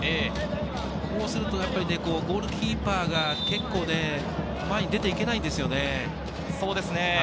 こうするとゴールキーパーが結構ね、前に出ていけないんですよね。